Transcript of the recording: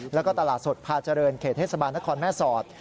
แล้วก็ตลาดสดพาเจริญเขตเทศบาลนครแม่สอด